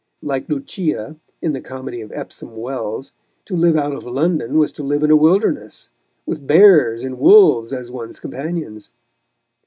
Like Lucia, in the comedy of Epsom Wells, to live out of London was to live in a wilderness, with bears and wolves as one's companions.